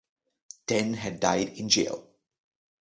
Ten had died in jail.